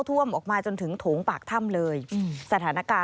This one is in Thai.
สวัสดีค่ะสวัสดีค่ะ